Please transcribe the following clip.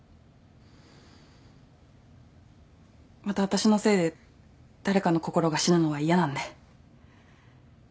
また私のせいで誰かの心が死ぬのは嫌なんで。